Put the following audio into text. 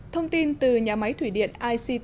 thông tin từ nhà máy thủy điện ict